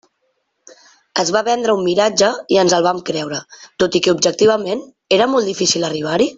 Es va vendre un miratge i ens el vàrem creure, tot i que, objectivament, era molt difícil arribar-hi?